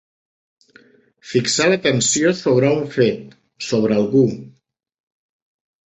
Fixar l'atenció sobre un fet, sobre algú.